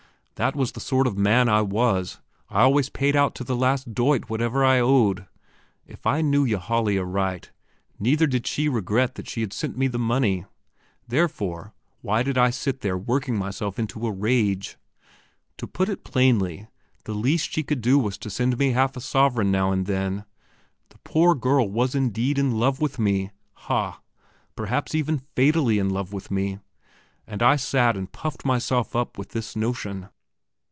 That was the sort of man I was; I always paid out to the last doit whatever I owed. If I knew Ylajali aright, neither did she regret that she had sent me the money, therefore why did I sit there working myself into a rage? To put it plainly, the least she could do was to send me half a sovereign now and then. The poor girl was indeed in love with me ha! perhaps even fatally in love with me; ... and I sat and puffed myself up with this notion.